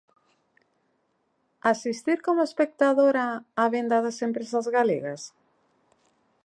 ¿Asistir como espectadora á venda das empresas galegas?